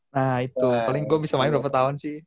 nah itu paling gue bisa main berapa tahun sih